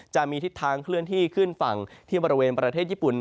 จะมีทิศทางเคลื่อนที่ขึ้นฝั่งที่บริเวณประเทศญี่ปุ่น